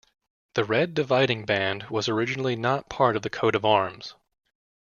The red dividing band was originally not part of the coat of arms.